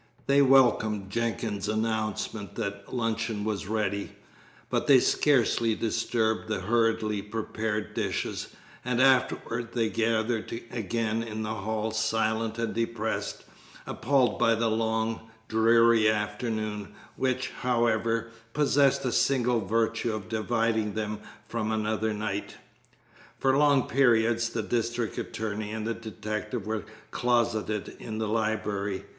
They welcomed Jenkins's announcement that luncheon was ready, but they scarcely disturbed the hurriedly prepared dishes, and afterward they gathered again in the hall, silent and depressed, appalled by the long, dreary afternoon, which, however, possessed the single virtue of dividing them from another night. For long periods the district attorney and the detective were closeted in the library.